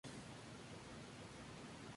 El sitio fue creado en un solo día.